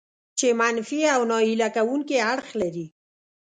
چې منفي او ناهیله کوونکي اړخ لري.